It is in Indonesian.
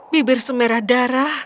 bibir sumbera darah